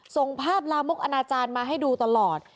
ส่งภาพลามกอนาจารย์มาให้ดูตลอด